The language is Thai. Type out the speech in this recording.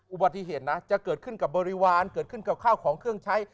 อุบัติเหตุนะจะเกิดขึ้นกับบริวารเกิดขึ้นกับข้าวของเครื่องใช้